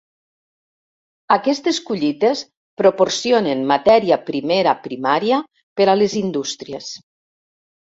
Aquestes collites proporcionen matèria primera primària per a les indústries.